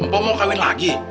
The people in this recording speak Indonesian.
bu mau kawin lagi